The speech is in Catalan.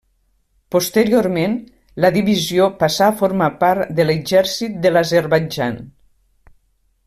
Posteriorment, la divisió passà a formar part de l'Exèrcit de l'Azerbaidjan.